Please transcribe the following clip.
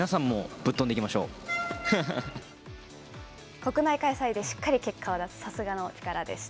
国内開催でしっかり結果を出す、さすがの力でした。